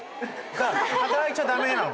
働いちゃ駄目なの。